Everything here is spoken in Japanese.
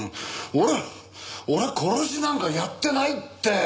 俺は俺は殺しなんかやってないって！